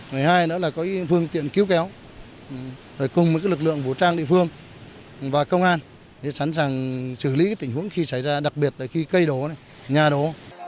hai nữa là có phương tiện cứu kéo cùng với lực lượng vũ trang địa phương và công an để sẵn sàng xử lý tình huống khi xảy ra đặc biệt là khi cây đổ nhà đổ